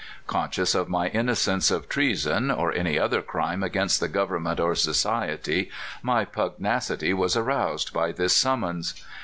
Conscious of my innocence of treason or any other crime against the Government or so ciety, my pugnacity was roused by this summons.